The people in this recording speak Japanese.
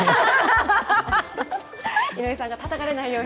井上さんがたたかれないように。